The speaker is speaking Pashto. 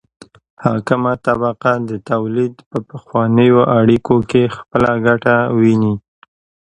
حاکمه طبقه د تولید په پخوانیو اړیکو کې خپله ګټه ویني.